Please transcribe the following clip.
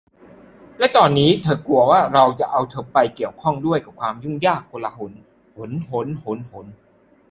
และตอนนี้เธอกลัวว่าเราจะเอาเธอไปเกี่ยวข้องด้วยกับความยุ่งยากโกลาหล